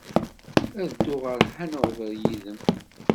Ad dduɣ ɣer Hanover yid-m.